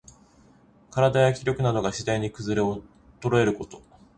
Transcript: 身体や気力などが、しだいにくずれおとろえること。